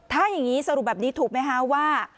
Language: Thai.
ถ้าอย่างนี้สรุปแบบนี้ถูกไหมคะว่า